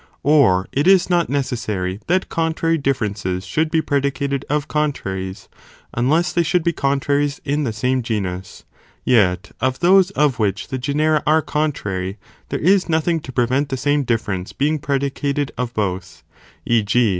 Or it is not necessary that contrary differences should be predicated of contraries, unless they should be contraries in the same genus, yet of those of which the genera are con trary, there is nothing to prevent the same difference being predicated of both; e. g.